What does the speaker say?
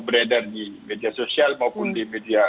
beredar di media sosial maupun di media